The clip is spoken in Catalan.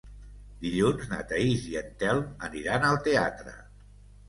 Dilluns na Thaís i en Telm aniran al teatre.